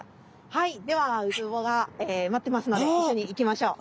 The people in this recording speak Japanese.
はいではウツボが待ってますので一緒に行きましょう。